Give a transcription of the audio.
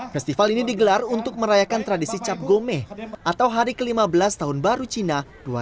festival ini digelar untuk merayakan tradisi cap gomeh atau hari ke lima belas tahun baru cina dua ribu lima ratus tujuh puluh satu